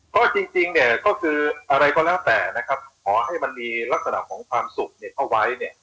ก็จริงเนี่ยก็คืออะไรก็แล้วแต่นะครับขอให้มันมีลักษณะของความสุขเนี่ยเข้าไว้เนี่ย